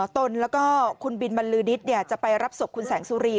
ตนแล้วก็คุณบินบรรลือฤทธิ์จะไปรับศพคุณแสงสุรี